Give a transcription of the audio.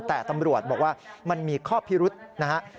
แต่ตำรวจบอกว่ามันมีข้อพิรุษนะฮะ